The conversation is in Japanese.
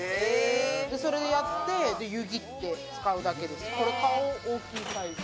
それでやって湯切ってやるだけです。